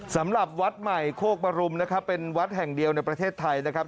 สำหรับวัดใหม่โคกบรุมนะครับเป็นวัดแห่งเดียวในประเทศไทยนะครับ